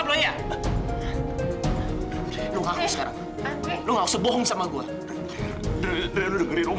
sudah sudah cukup